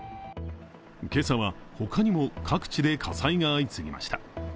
今朝は、他にも各地で火災が相次ぎました。